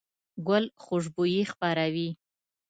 ګل خوشبويي خپروي.